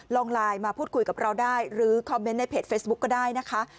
ลองไลน์มาพูดคุยกับเราได้หรือคอมเมนต์ในเพจเฟซบุ๊คก็ได้นะคะ